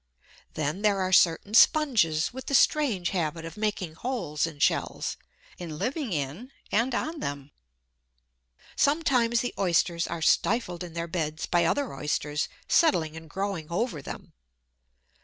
Then there are certain sponges, with the strange habit of making holes in shells, and living in and on them. Sometimes the Oysters are stifled in their "beds" by other Oysters settling and growing over them.